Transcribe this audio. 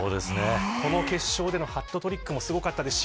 この決勝でのハットトリックもすごかったですし